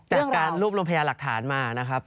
จากการรวบรวมพยาหลักฐานมานะครับ